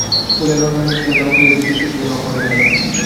বলিয়া নন্দ নিজে ছেলের জামা খুলিয়া দিতে শশী যেন অবাক হইয়া গেল।